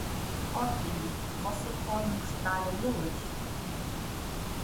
Ótimo, você pode mostrar a eles?